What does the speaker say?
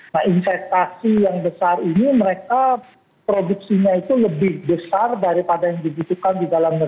nah investasi yang besar ini mereka produksinya itu lebih besar daripada yang dibutuhkan di dalam negeri